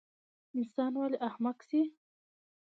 انسان ولۍ احمق سي؟